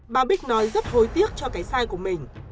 bà bích nói rất gối tiếc cho cái sai của mình